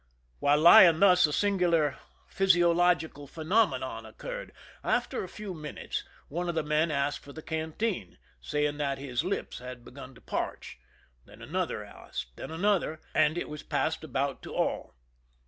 "While lying thus, a singular physiological phenomenon occurred. After a few minutes, one of the men asked for the canteen, saying that his lips had begun to parch ; then an other asked, then another, and it was passed about ; to all.